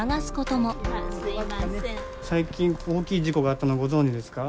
最近大きい事故があったのご存じですか？